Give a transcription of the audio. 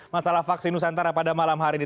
masalah vaksin nusantara pada malam hari ini